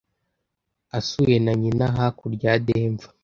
Asuye na nyina, hakurya ya Denver.